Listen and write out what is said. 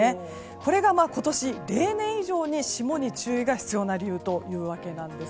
これが今年例年以上に霜に注意が必要な理由というわけなんです。